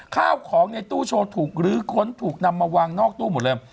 ข้าวของในตู้โชว์ถูกลื้อค้นถูกนำมาวางนอกตู้หมดเลย